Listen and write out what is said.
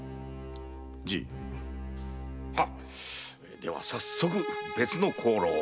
では早速別の香炉を。